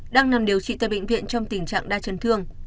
đang nằm điều trị tại bệnh viện trong tình trạng đa chấn thương